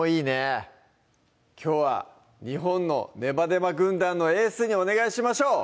きょうは日本のネバネバ軍団のエースにお願いしましょう！